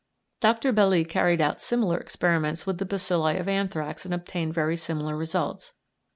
Dr. Belli carried out similar experiments with the bacilli of anthrax and obtained very similar results.